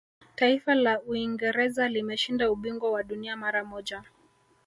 taifa la uingereza limeshinda ubingwa wa dunia mara moja